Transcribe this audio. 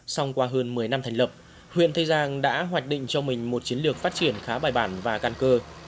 xong qua hơn một mươi năm thành lập huyện tây giang đã hoạch định cho mình một chiến lược phát triển khá bài bản và găn cơ